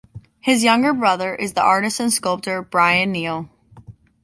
His younger brother is the artist and sculptor Bryan Kneale.